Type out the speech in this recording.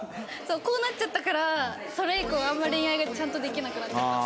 こうなっちゃったからそれ以降あんま恋愛がちゃんとできなくなっちゃった。